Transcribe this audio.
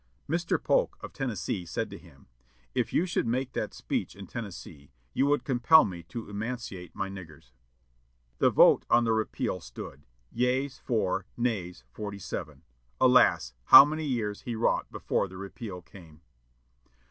'" Mr. Polk of Tennessee said to him: "If you should make that speech in Tennessee, you would compel me to emancipate my niggers." The vote on the repeal stood: Yeas, four; nays, forty seven. Alas! how many years he wrought before the repeal came.